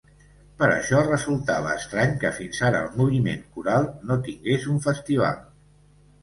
Per això resultava estrany que fins ara el moviment coral no tingués un festival.